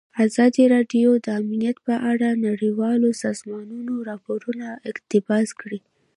ازادي راډیو د امنیت په اړه د نړیوالو سازمانونو راپورونه اقتباس کړي.